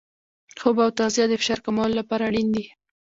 خوب او تغذیه د فشار کمولو لپاره اړین دي.